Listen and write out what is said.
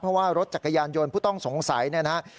เพราะว่ารถจักรยานยนต์ผู้ต้องสงสัยเนี่ยนะครับ